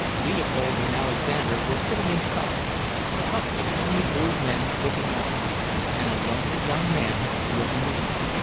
Leopold and Alexander were sitting inside a couple of lonely old men looking out. And a lonely young man looking in.